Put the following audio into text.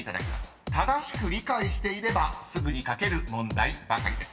［正しく理解していればすぐに描ける問題ばかりです］